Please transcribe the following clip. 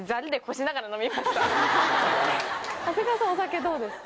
長谷川さんお酒どうですか？